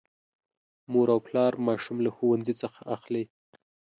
مور او پلا ماشوم له ښوونځي څخه اخلي.